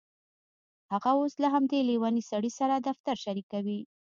هغه اوس له همدې لیونۍ سړي سره دفتر شریکوي